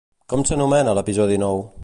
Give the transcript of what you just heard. Com s'anomena l'episodi nou?